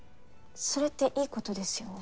それっていいことですよね？